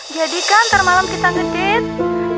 jadi kan nanti malam kita ngedate